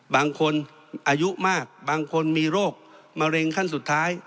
บางคนอายุมากบางคนมีโรคมะเร็งขั้นสุดท้าย